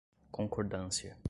concordância